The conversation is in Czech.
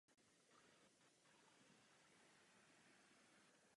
Během první světové války bojoval jako legionář na ruské frontě.